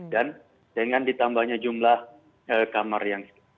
dan dengan ditambahnya jumlah kamar yang sekitarnya